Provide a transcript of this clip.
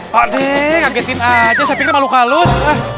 pak deng ngagetin aja saya pikir malu kalus